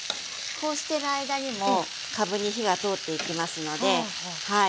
こうしてる間にもかぶに火が通っていきますのではい。